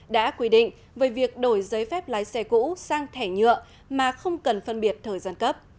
đã quy định về việc đổi giấy phép lái xe cũ sang thẻ nhựa mà không cần phân biệt thời gian cấp